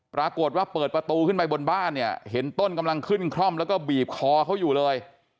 ปรากฏว่าเปิดประตูขึ้นไปบนบ้านเนี่ยเห็นต้นกำลังขึ้นคล่อมแล้วก็บีบคอเขาอยู่เลย